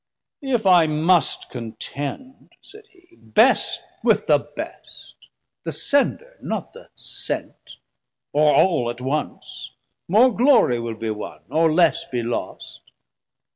If I must contend, said he, Best with the best, the Sender not the sent, Or all at once; more glorie will be wonn, Or less be lost.